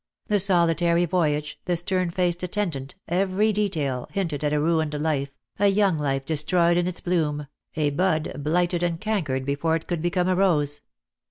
The solitary voyage, the stern faced attendant, every detail, hinted at a ruined life, a young life destroyed in its bloom, a bud blighted and cankered before it could become a rose.